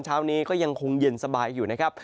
เช้านี้ก็ยังคงเย็นสบายอยู่นะครับ